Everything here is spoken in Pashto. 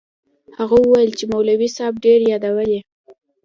هغه وويل چې مولوي صاحب ډېر يادولې.